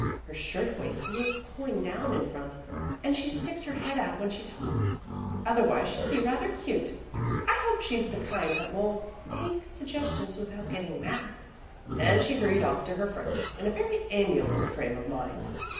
Her shirt waist needs pulling down in front and she sticks her head out when she talks. Otherwise she'd be rather cute. I hope she's the kind that will take suggestions without getting mad." And she hurried off to her French in a very amiable frame of mind.